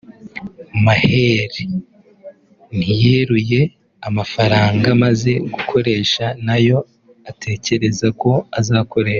Maher ntiyeruye amafaranga amaze gukoresha n’ayo atekereza ko azakoresha